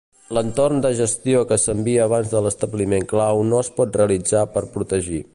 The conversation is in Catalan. L'entorn de gestió que s'envia abans de l'establiment clau no es pot realitzar per protegir.